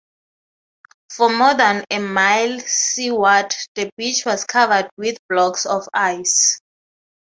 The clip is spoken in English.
For more than a mile seaward the beach was covered with blocks of ice.